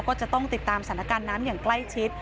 ก็จะต้องติดตามสถานการณ์น้ำอย่างใกล้ชิด